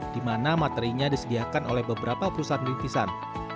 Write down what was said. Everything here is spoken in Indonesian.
di mana materinya disediakan oleh beberapa perusahaan rintisan